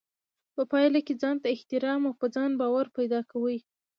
په پايله کې ځانته احترام او په ځان باور پيدا کوي.